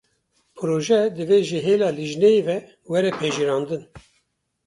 Piroje divê ji hêla lijneyê ve were pejirandin